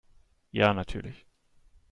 Ja, natürlich!